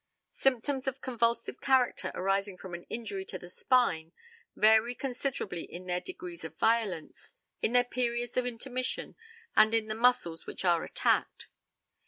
Symptoms of convulsive character arising from an injury to the spine vary considerably in their degrees of violence, in their periods of intermission, and in the muscles which are attacked.